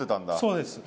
そうです。